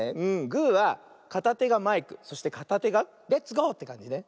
グーはかたてがマイクそしてかたてがレッツゴーってかんじね。